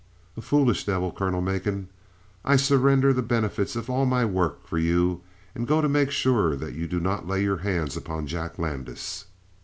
"A foolish devil, Colonel Macon. I surrender the benefits of all my work for you and go to make sure that you do not lay your hands upon Jack Landis."